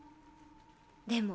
でも